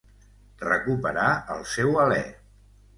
Recuperar el seu alé.